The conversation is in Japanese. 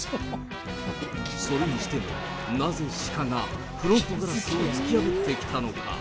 それにしても、なぜシカが、フロントガラスを突き破ってきたのか。